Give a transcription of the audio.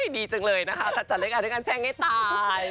ดีจังเลยนะคะจัดเลยการแชงให้ตาย